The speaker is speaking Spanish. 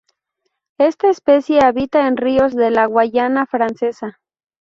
Esta especie habita en ríos de la Guayana Francesa.